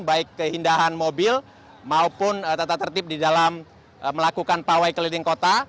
baik keindahan mobil maupun tata tertib di dalam melakukan pawai keliling kota